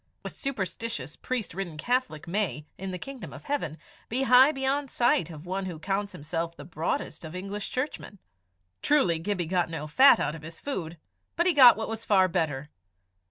A superstitious priest ridden Catholic may, in the kingdom of heaven, be high beyond sight of one who counts himself the broadest of English churchmen. Truly Gibbie got no fat out of his food, but he got what was far better.